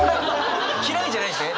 嫌いじゃないんですね！